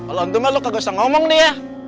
kalau untungnya lo gak usah ngomong nih ya